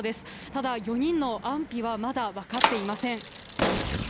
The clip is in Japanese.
ただ、４人の安否はまだ分かっていません。